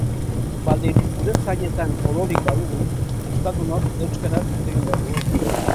Baldin gure zainetan odolik badugu, euskaldunok euskaraz hitz egin behar dugu.